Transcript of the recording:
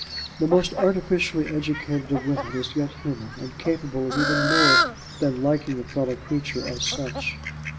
The most artificially educated of women is yet human, and capable of even more than liking a fellow creature as such.